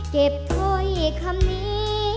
เก็บถ้อยคำนี้